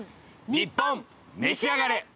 『ニッポンめしあがれ』！